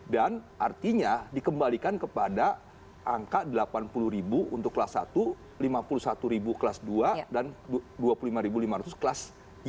dan artinya dikembalikan kepada angka delapan puluh ribu untuk kelas satu lima puluh satu ribu kelas dua dan dua puluh lima ribu kelas tiga